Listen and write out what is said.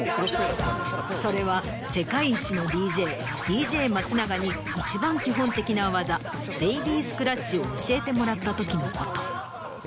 それは世界一のＤＪＤＪ松永に一番基本的な技ベイビースクラッチを教えてもらったときのこと。